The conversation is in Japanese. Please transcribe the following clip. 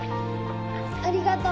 ありがとう。